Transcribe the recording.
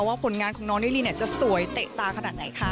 ว่าผลงานของน้องนิรินจะสวยเตะตาขนาดไหนคะ